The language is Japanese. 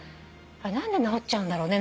あれ何で治っちゃうんだろうね。